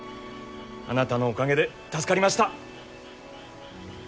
あなたのおかげで助かりました。